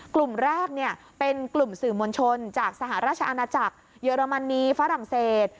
กลุ่มแรกเป็นกลุ่มสื่อมวลชนจากสหราชอาณาจักรเยอรมนีฝรั่งเศส